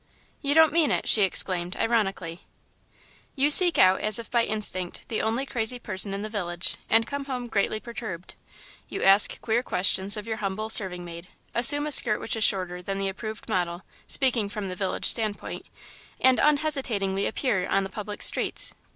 "You don't mean it!" she exclaimed, ironically. "You seek out, as if by instinct, the only crazy person in the village, and come home greatly perturbed. You ask queer questions of your humble serving maid, assume a skirt which is shorter than the approved model, speaking from the village standpoint, and unhesitatingly appear on the public streets.